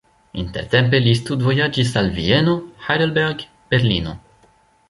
Intertempe li studvojaĝis al Vieno, Heidelberg, Berlino.